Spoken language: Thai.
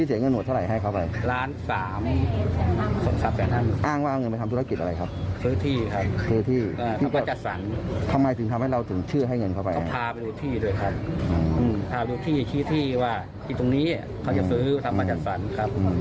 ถามดูที่คิดที่ว่าที่ตรงนี้เขาจะซื้อทำอจัดศัลครับ